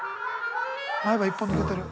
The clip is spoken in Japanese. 前歯１本抜けてる。